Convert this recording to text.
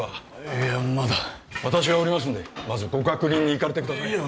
いやまだ私がおりますんでまずご確認に行かれてください